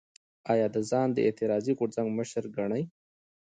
ایا ده ځان د اعتراضي غورځنګ مشر ګڼي؟